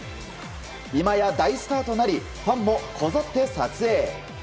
今や大スターとなりファンもこぞって撮影。